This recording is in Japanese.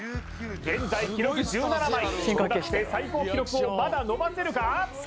現在記録１７枚深呼吸して果たして最高記録をまだ伸ばせるか？